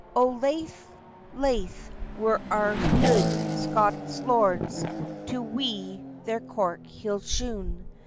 O laith, laith, were our gude Scots lords To weet their cork heel'd shoon!